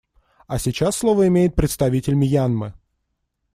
А сейчас слово имеет представитель Мьянмы.